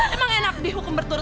emang enak dihukum bertuah